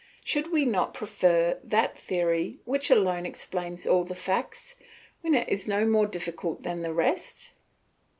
Should we not prefer that theory which alone explains all the facts, when it is no more difficult than the rest?"